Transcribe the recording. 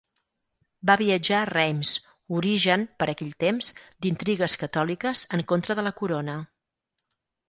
Va viatjar a Reims, origen, per aquell temps, d'intrigues catòliques en contra de la Corona.